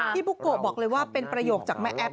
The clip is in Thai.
บุโกะบอกเลยว่าเป็นประโยคจากแม่แอฟ